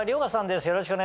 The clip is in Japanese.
よろしくお願いします。